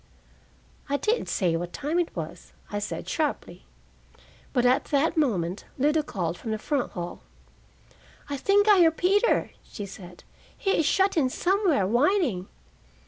"I didn't say what time it was," I said sharply. But at that moment Lida called from the front hall. "I think I hear Peter," she said. "He is shut in somewhere, whining."